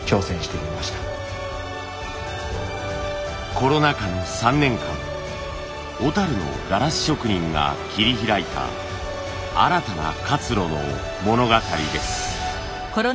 コロナ禍の３年間小のガラス職人が切り開いた新たな活路の物語です。